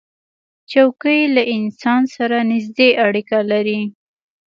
چوکۍ له انسان سره نزدې اړیکه لري.